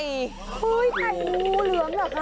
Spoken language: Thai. ไข่งูเหลือมเหรอคะ